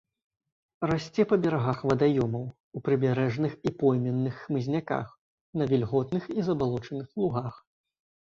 Расце па берагах вадаёмаў, у прыбярэжных і пойменных хмызняках, на вільготных і забалочаных лугах.